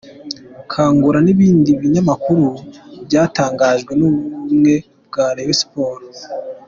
Kangura n’ibindi binyamakuru byatangajwe n’ubumwe bwa Rayon Sports.